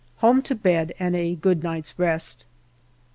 Home to bed and a good night's rest.